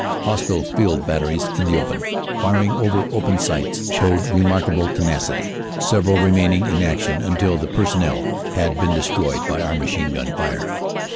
Hostile Field Batteries in the open, firing over open sights, showed remarkable tenacity, several remaining in action until the personnel had been destroyed by our machine gun fire.